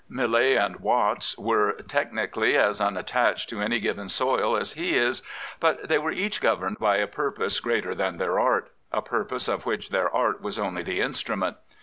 Millet and Watts were technically as un attached to any given soil as he is; but they were each governed by a purpose greater than their art — a purpose of which their art was only the instrument.